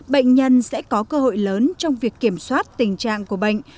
bệnh nhân sẽ có cơ hội lớn trong việc kiểm soát tình trạng của bệnh